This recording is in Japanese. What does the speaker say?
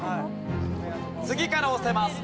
次から押せます。